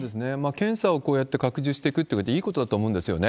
検査をこうやって拡充していくっていうことはいいことだと思うんですよね。